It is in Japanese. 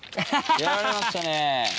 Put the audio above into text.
やられましたね。